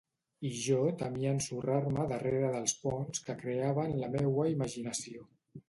I jo temia ensorrar-me darrere dels ponts que creava en la meua imaginació.